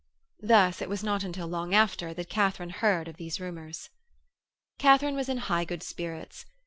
Thus it was not until long after that Katharine heard of these rumours. Katharine was in high good spirits.